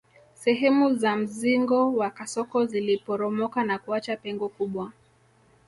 Sehemu za mzingo wa kasoko ziliporomoka na kuacha pengo kubwa